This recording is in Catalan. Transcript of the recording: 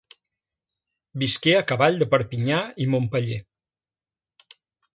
Visqué a cavall de Perpinyà i Montpeller.